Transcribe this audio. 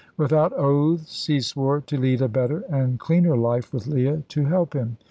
Without oaths, he swore to lead a better and cleaner life with Leah to help him.